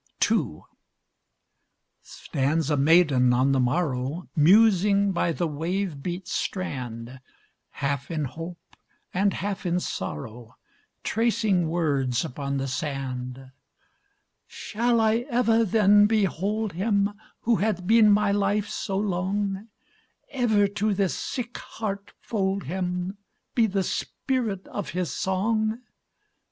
II. Stands a maiden, on the morrow, Musing by the wave beat strand, Half in hope and half in sorrow, Tracing words upon the sand: "Shall I ever then behold him Who hath been my life so long, Ever to this sick heart fold him, Be the spirit of his song?